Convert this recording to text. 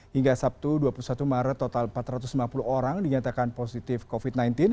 hingga sabtu dua puluh satu maret total empat ratus lima puluh orang dinyatakan positif covid sembilan belas